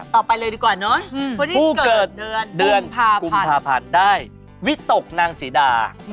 ต่อไปเลยดีกว่าเนอะผู้เกิดเดือนเดือนกุมภาพันธ์ได้วิตกนางศรีดา